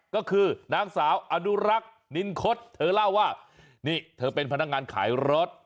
ก็คือนางสาวอนุรักษ์นินคดเธอเล่าว่านี่เธอเป็นพนักงานขายรถ